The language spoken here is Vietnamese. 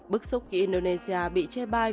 bức xúc khi indonesia bị che bai